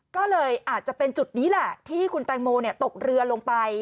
ก็เลยอาจจะเป็นจุดนี้แหละที่คุณแตงโมตกเรือลงไป